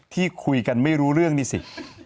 ที่คุยกันไม่รู้เรื่องนี่สิ